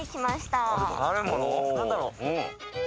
何だろう？